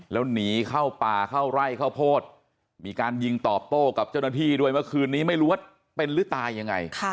แล้วหนีเข้าป่าเข้าไร่ข้าวโพดมีการยิงตอบโต้กับเจ้าหน้าที่ด้วยเมื่อคืนนี้ไม่รู้ว่าเป็นหรือตายยังไง